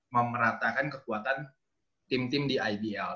memeratakan kekuatan tim tim di ibl